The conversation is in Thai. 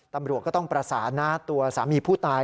ตำรวจก็ต้องประสานนะตัวสามีผู้ตาย